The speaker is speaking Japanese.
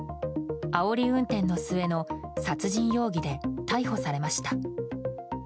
あおり運転の末の殺人容疑で逮捕されました。